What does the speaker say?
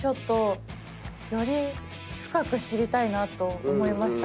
より深く知りたいなと思いました。